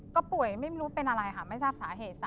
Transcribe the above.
ก็ป่วยไม่รู้เป็นอะไรค่ะไม่ทราบสาเหตุซะ